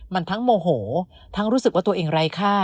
มันทั้งโมโหทั้งรู้สึกว่าตัวเองไร้ค่า